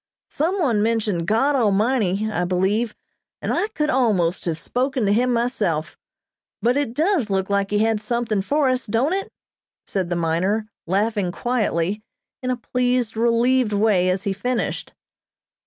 "Some one mentioned God Almighty, I believe, and I could almost have spoken to Him myself, but it does look like He had done something for us, don't it?" said the miner, laughing quietly, in a pleased, relieved way as he finished.